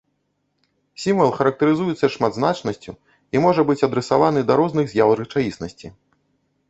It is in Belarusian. Сімвал характарызуецца шматзначнасцю і можа быць адрасаваны да розных з'яў рэчаіснасці.